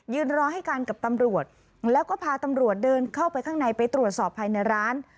รอให้กันกับตำรวจแล้วก็พาตำรวจเดินเข้าไปข้างในไปตรวจสอบภายในร้าน